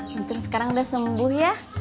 mungkin sekarang udah sembuh ya